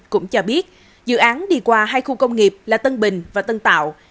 cũng cho biết dự án đi qua hai khu công nghiệp là tân bình và tân tạo